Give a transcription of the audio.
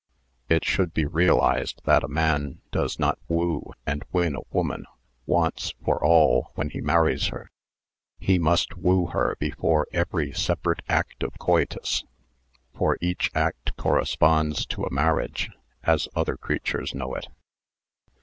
It should be realised that a man does not woo and win a woman once for all when he marries her : he must woo her before every separate act of coitus, for each act corresponds to a marriage as other creatures know it.